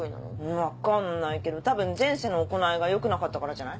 分かんないけど多分前世の行いが良くなかったからじゃない？